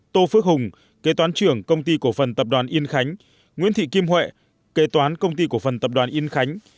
tô phước hùng kế toán trưởng công ty cổ phần tập đoàn yên khánh nguyễn thị kim huệ kế toán công ty cổ phần tập đoàn yên khánh